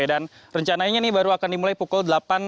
dan rencananya ini baru akan dimulai pukul delapan